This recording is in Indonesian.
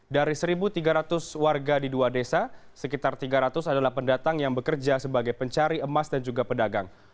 dari satu tiga ratus warga di dua desa sekitar tiga ratus adalah pendatang yang bekerja sebagai pencari emas dan juga pedagang